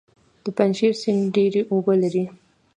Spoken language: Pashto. د پنجشیر سیند ډیرې اوبه لري